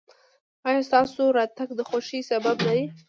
ایا ستاسو راتګ د خوښۍ سبب نه دی؟